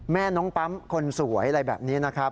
แม่น้องปั๊มคนสวยอะไรแบบนี้นะครับ